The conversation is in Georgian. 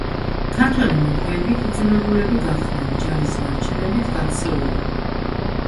ქართველი მეფეები იძულებულები გახდნენ ჯარის ნარჩენებით გაქცეულიყვნენ.